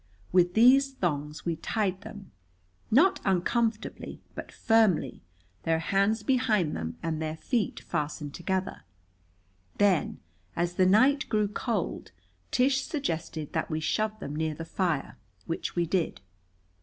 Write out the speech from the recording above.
With these thongs we tied them, not uncomfortably, but firmly, their hands behind them and their feet fastened together. Then, as the night grew cold, Tish suggested that we shove them near the fire, which we did.